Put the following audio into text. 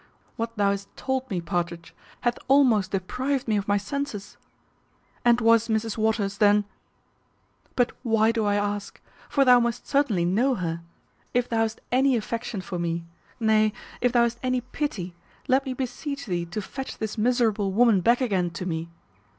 What thou hast told me, Partridge, hath almost deprived me of my senses! And was Mrs Waters, then but why do I ask? for thou must certainly know her If thou hast any affection for me, nay, if thou hast any pity, let me beseech thee to fetch this miserable woman back again to me.